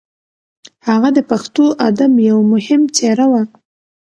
هغه د پښتو ادب یو مهم څېره وه.